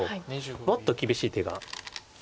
もっと厳しい手があって。